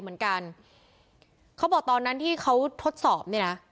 เหมือนกันเขาบอกตอนนั้นที่เขาทดสอบเนี่ยนะ